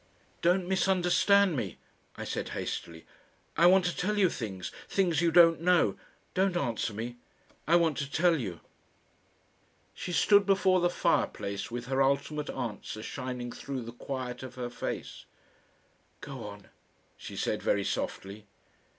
"Don't misunderstand me," I said hastily. "I want to tell you things, things you don't know. Don't answer me. I want to tell you." She stood before the fireplace with her ultimate answer shining through the quiet of her face. "Go on," she said, very softly.